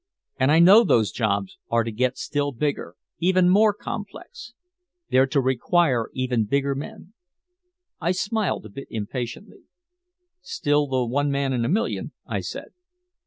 And I know those jobs are to get still bigger, even more complex. They're to require even bigger men." I smiled a bit impatiently. "Still the one man in a million," I said.